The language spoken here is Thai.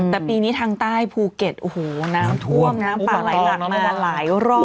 แต่ปีนี้ทางใต้ภูเก็ตโอ้โหน้ำท่วมน้ำป่าไหลหลากมาหลายรอบ